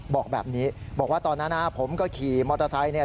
บอกแบบนี้บอกว่าตอนนั้นนะผมก็ขี่มอเตอร์ไซค์เนี่ย